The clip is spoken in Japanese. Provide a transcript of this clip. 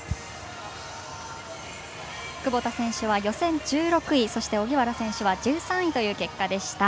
窪田選手は予選１６位そして荻原選手、１３位という結果でした。